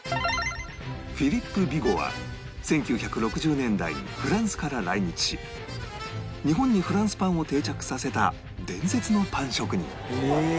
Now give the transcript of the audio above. フィリップ・ビゴは１９６０年代にフランスから来日し日本にフランスパンを定着させた伝説のパン職人